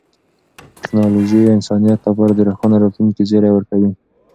ټیکنالوژي د انسانیت لپاره د روښانه راتلونکي زیری ورکوي.